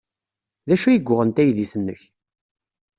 D acu ay yuɣen taydit-nnek?